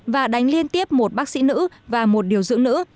và đánh liên tiếp một bác sĩ nữ và một điều dưỡng nữ